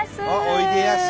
「おいでやす」。